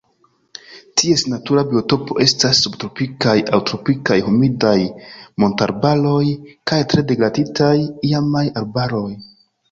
Ties natura biotopo estas subtropikaj aŭ tropikaj humidaj montarbaroj kaj tre degraditaj iamaj arbaroj.